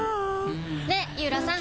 ね井浦さん。